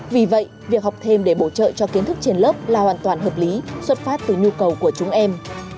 vì vậy việc học thêm để bổ trợ cho kiến thức trên lớp là hoàn toàn hợp lý xuất phát từ nhu cầu của chúng em